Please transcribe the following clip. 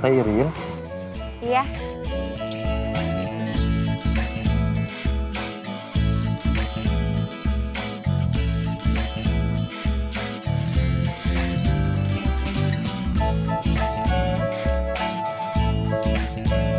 kasian malem duk